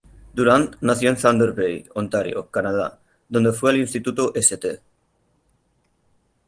Durand nació en Thunder Bay, Ontario, Canadá, donde fue al instituto St.